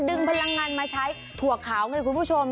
พลังงานมาใช้ถั่วขาวไงคุณผู้ชม